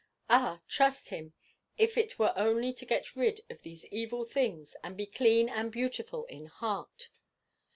Ah! trust him if it were only to get rid of these evil things, and be clean and beautiful in heart.